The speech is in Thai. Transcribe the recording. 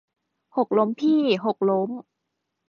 หกล้มพี่ หกล้ม